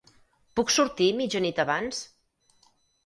Puc sortir mitja nit abans?